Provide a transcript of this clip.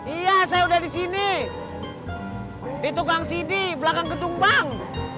iya saya udah disini di tukang sini belakang gedung bang